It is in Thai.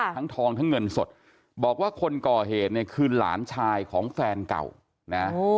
ทั้งทองทั้งเงินสดบอกว่าคนก่อเหตุเนี่ยคือหลานชายของแฟนเก่านะ